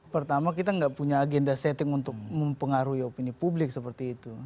pertama kita nggak punya agenda setting untuk mempengaruhi opini publik seperti itu